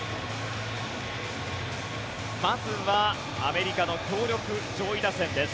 まずはアメリカの強力上位打線です。